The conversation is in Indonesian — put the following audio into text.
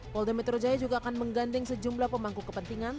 polda metro jaya juga akan menggandeng sejumlah pemangku kepentingan